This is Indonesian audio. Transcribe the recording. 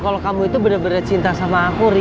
kalau kamu itu bener bener cinta sama aku ri